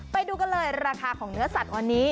ไปดูกันเลยราคาของเนื้อสัตว์วันนี้